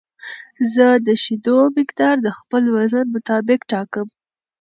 زه د شیدو مقدار د خپل وزن مطابق ټاکم.